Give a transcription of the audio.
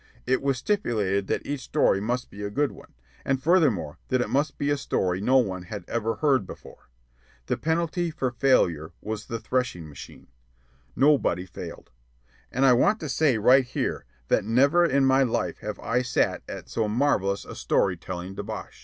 It was stipulated that each story must be a good one, and, furthermore, that it must be a story no one had ever heard before. The penalty for failure was the threshing machine. Nobody failed. And I want to say right here that never in my life have I sat at so marvellous a story telling debauch.